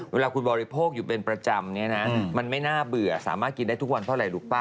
เวลาคุณบริโภคอยู่เป็นประจำเนี่ยนะมันไม่น่าเบื่อสามารถกินได้ทุกวันเพราะอะไรรู้ป่